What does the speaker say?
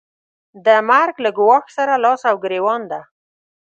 د مرګ له ګواښ سره لاس او ګرېوان ده.